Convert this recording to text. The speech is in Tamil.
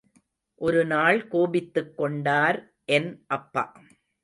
ஒருநாள் கோபித்துக்கொண்டார் என் அப்பா.